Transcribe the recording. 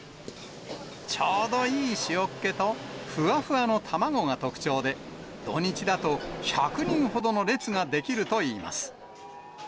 ちょうどいい塩気とふわふわの卵が特徴で、土日だと１００人ほどの列が出来るといいます。